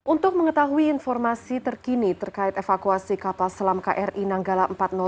untuk mengetahui informasi terkini terkait evakuasi kapal selam kri nanggala empat ratus dua